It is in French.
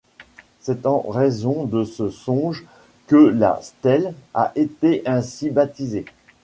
C'est en raison de ce songe que la stèle a été ainsi baptisée.